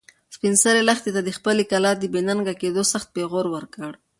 سپین سرې لښتې ته د خپلې کلا د بې ننګه کېدو سخت پېغور ورکړ.